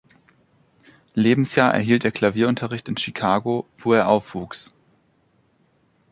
Lebensjahr erhielt er Klavierunterricht in Chicago, wo er aufwuchs.